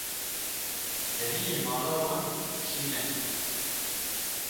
Deriyê mala wan şîn e.